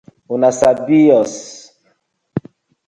Una sabi os?